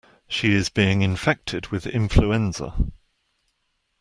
She is being infected with influenza.